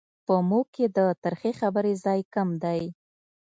په موږ کې د ترخې خبرې ځای کم دی.